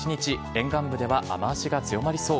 沿岸部では雨脚が強まりそう。